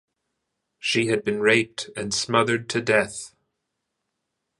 She had been raped and smothered to death.